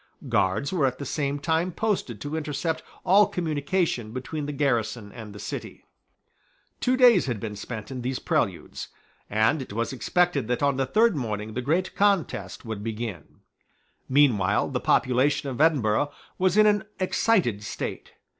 Guards were at the same time posted to intercept all communication between the garrison and the city, Two days had been spent in these preludes; and it was expected that on the third morning the great contest would begin. Meanwhile the population of Edinburgh was in an excited state.